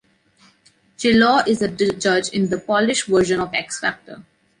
Czesław is a judge in the Polish version of X-Factor.